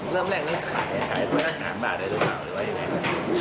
เริ่มแรกนี้ขายขายถ้วยละ๓บาทเลยหรือเปล่าหรือว่ายังไง